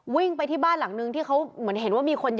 วิ่งไปที่บ้านหลังนึงที่เขาเหมือนเห็นว่ามีคนเยอะ